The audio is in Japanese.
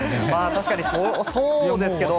確かにそうですけど。